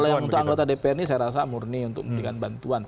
kalau yang untuk anggota dpr ini saya rasa murni untuk memberikan bantuan